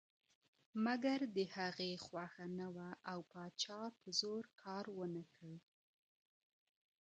مګر د هغې خوښه نه وه او پاچا په زور کار ونه کړ.